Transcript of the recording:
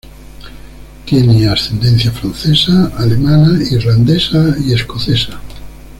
Tiene ascendencia francesa, alemana, irlandesa y escocesa.